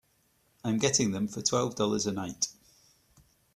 I'm getting them for twelve dollars a night.